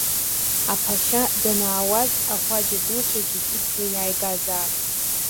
Аԥашьа данаауаз ахәаџьа дуцәагьы ицна иааигазаап.